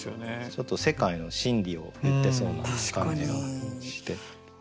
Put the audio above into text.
ちょっと世界の真理を言ってそうな感じがして。